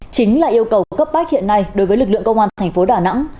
chính là yêu cầu cấp bách hiện nay đối với lực lượng công an tp đà nẵng